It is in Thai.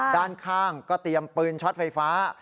ด้านข้างก็เตรียมปืนช็อตไฟฟ้า